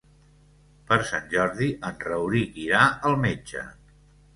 Per Sant Jordi en Rauric irà al metge.